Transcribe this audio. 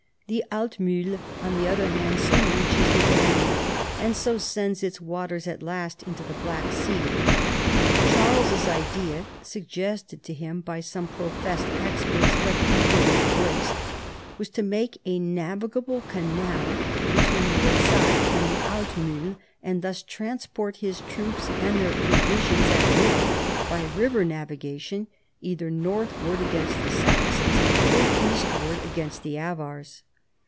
The Altmiihl, on the other hand, soon reaches the Danube, and so sends its waters at last into the Black Sea. Charles's idea (suggested to him by some professed experts, but eagerly embraced) was to make a navigable canal between the Rezat and the Altmiihl, and thus transport his troops and their provisions at will by river navigation either northward against the Saxons or eastward against the Avars.